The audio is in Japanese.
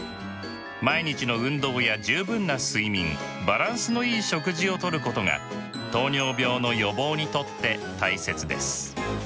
毎日の運動や十分な睡眠バランスのいい食事をとることが糖尿病の予防にとって大切です。